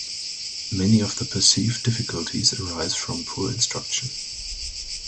Many of the perceived difficulties arise from poor instruction.